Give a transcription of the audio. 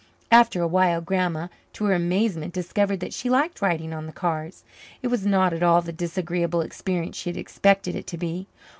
After a while Grandma, to her amazement, discovered that she liked riding on the cars. It was not at all the disagreeable experience she had expected it to be.